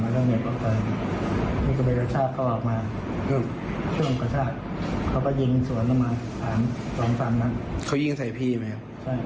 เขาไปช่วงกระชาติเขาไปยิงสวนออกมาสามสามสามนักเขายิงใส่พี่ไหม